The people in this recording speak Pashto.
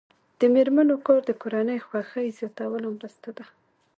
د میرمنو کار د کورنۍ خوښۍ زیاتولو مرسته ده.